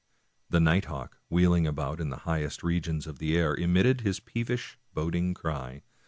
The night hawk, wheeling about in the highest regions of the air, emitted his peevish, boding cry.